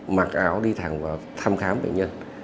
mặc áo đi thẳng vào thăm khám bệnh nhân